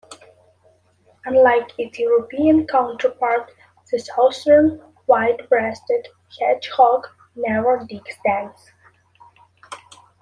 Unlike its European counterpart, the Southern white-breasted hedgehog never digs dens.